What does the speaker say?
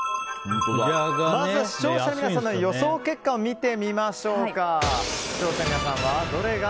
まずは視聴者の皆さんの予想結果を見てみましょう。